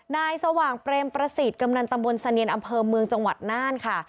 นายสว่างเปรมประสิทธิ์กำนันตำบลเสนียนอำเภอเมืองจังหวัดน่านค่ะ